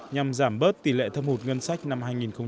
nhằm giảm bớt tỷ lệ thâm hụt ngân sách năm hai nghìn một mươi bốn